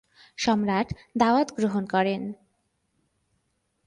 সম্রাট দাওয়াত গ্রহণ করেন।